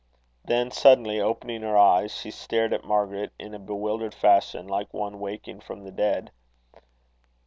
Then suddenly opening her eyes, she stared at Margaret in a bewildered fashion, like one waking from the dead.